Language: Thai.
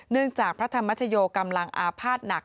จากพระธรรมชโยกำลังอาภาษณ์หนัก